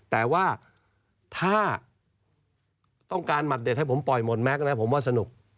แต่ว่าถ้าต้องการหมัดเด็ดให้ผมปล่อยหมดแม็กซ์นะผมว่าสนุก